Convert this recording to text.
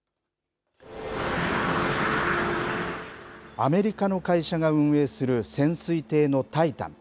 アメリカの会社が運営する潜水艇のタイタン。